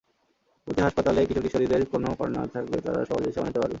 প্রতি হাসপাতালে কিশোর-কিশোরীদের কোনো কর্নার থাকলে তারা সহজে সেবা নিতে পারবে।